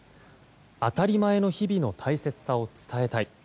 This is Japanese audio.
当たり前の日々の大切さを伝えたい。